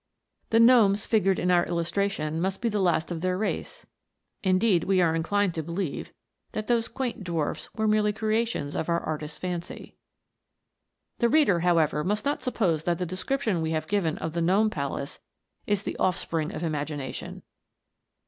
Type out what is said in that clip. The gnomes figured in our illustration must be the last of their race ; indeed, we are inclined to believe that those quaint dwarfs are merely creations of our artist's fancy. The reader, however, must not suppose that the description we have given of the Gnome Palace is the offspring of imagination.